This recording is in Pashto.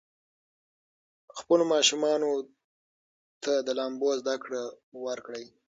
خپلو ماشومانو ته د لامبو زده کړه ورکړئ.